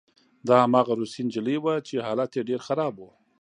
دا هماغه روسۍ نجلۍ وه چې حالت یې ډېر خراب و